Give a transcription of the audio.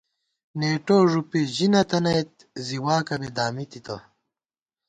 نېٹو ݫُپی ژی نَہ تَنَئیت ، زی واکہ بی دامی تِتہ